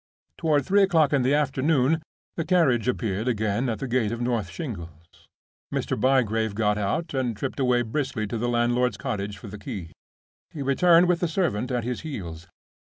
Toward three o'clock in the afternoon the carriage appeared again at the gate of North Shingles. Mr. Bygrave got out and tripped away briskly to the landlord's cottage for the key. He returned with the servant at his heels.